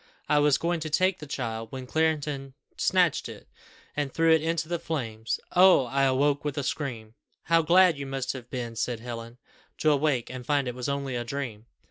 I was going to take the child, when Clarendon snatched it, and threw it into the flames. Oh! I awoke with a scream!" "How glad you must have been," said Helen, "to awake and find it was only a dream!"